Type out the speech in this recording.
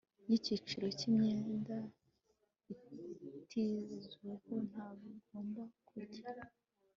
y icyiciro cy imyenda itizewe ntagomba kujya